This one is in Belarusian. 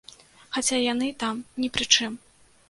Хаця яны там ні пры чым.